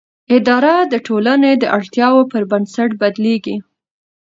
اداره د ټولنې د اړتیاوو پر بنسټ بدلېږي.